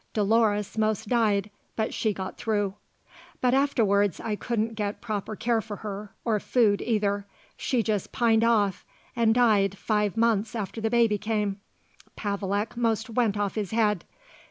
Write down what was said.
Dolores most died, but she got through. But afterwards I couldn't get proper care for her, or food either. She just pined off and died five months after the baby came. Pavelek most went off his head.